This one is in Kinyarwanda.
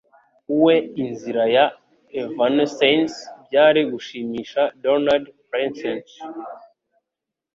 We "Inzira ya Evanescence" / Byari gushimisha Donald Pleasence